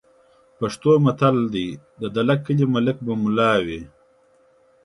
پښتو متل: "د دله کلي ملک به مُلا وي"